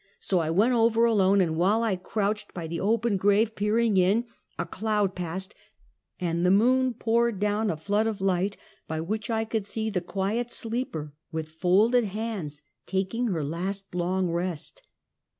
So I went over alone, and while I crouched by the open grave, peering in, a cloud passed, and the moon poured down a flood of light, by which I could see the quiet sleeper, with folded hands, taking her last, long rest.